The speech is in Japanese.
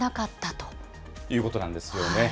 ということなんですよね。